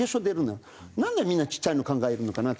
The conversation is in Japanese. なんでみんなちっちゃいの考えるのかなって。